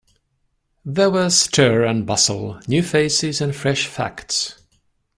There were stir and bustle, new faces, and fresh facts.